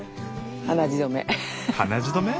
鼻血止め？